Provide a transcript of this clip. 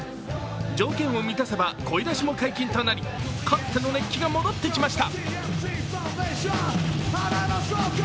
条件を満たせば声出しも解禁となり、かつての熱気が戻ってきました。